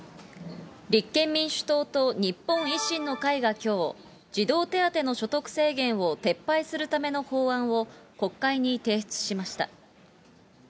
立憲民主党と日本維新の会がきょう、児童手当の所得制限を撤廃するための法案を、国会に提出しました。